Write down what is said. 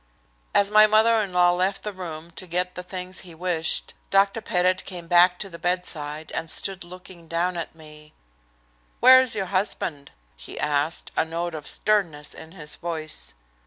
As my mother in law left the room to get the things he wished, Dr. Pettit came back to the bedside and stood looking down at me. "Where is your husband?" he asked, a note of sternness in his voice.